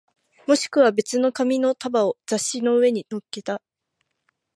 もしくは別の紙の束を雑誌の上に乗っけた